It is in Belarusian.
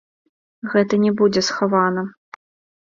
Гэта не будзе схавана.